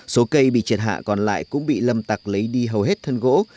số cây bị triệt hạ còn lại cũng bị lâm tặc lấy đi hầu hết thân gỗ